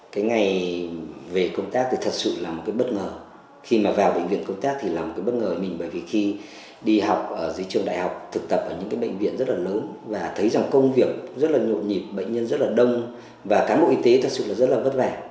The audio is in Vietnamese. cái ngày về công tác thì thật sự là một cái bất ngờ khi mà vào bệnh viện công tác thì là một cái bất ngờ mình bởi vì khi đi học ở dưới trường đại học thực tập ở những cái bệnh viện rất là lớn và thấy rằng công việc rất là nhộn nhịp bệnh nhân rất là đông và cán bộ y tế thật sự là rất là vất vả